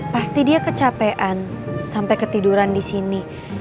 pasti dia kecapean changing room sampai ketiduran disini